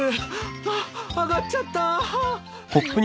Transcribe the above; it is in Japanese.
あっ上がっちゃった。